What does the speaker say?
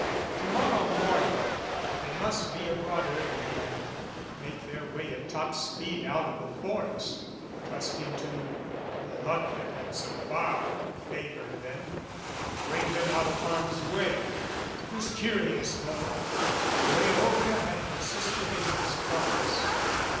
To mor row morning they must be abroad early and make their way at top speed out of the forest, trusting to the luck that had so far favored them to bring them out of harm's way. It was curious, though, the way Olga had persisted in his thoughts.